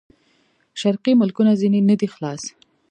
شرقي ملکونه ځنې نه دي خلاص.